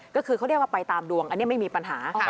ก็คือเขาเรียกว่าไปตามดวงอันนี้ไม่มีปัญหา